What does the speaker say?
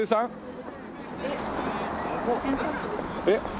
えっ